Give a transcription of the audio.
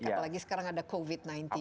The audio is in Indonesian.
apalagi sekarang ada covid sembilan belas